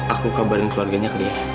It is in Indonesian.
aku kabarin keluarganya ke dia